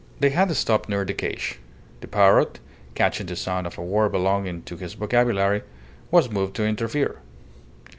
They had stopped near the cage. The parrot, catching the sound of a word belonging to his vocabulary, was moved to interfere.